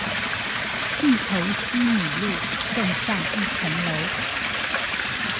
芋頭西米露，更上一層樓